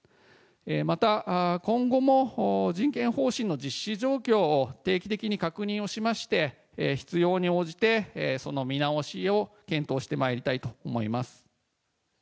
また、今後も人権方針の実施状況を定期的に確認をしまして、必要に応じてその見直しを検討してまいりたいと思います。